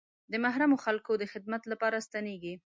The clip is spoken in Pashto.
د محرومو خلکو د خدمت لپاره ستنېږي.